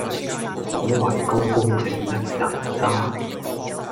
所謂高官正一人渣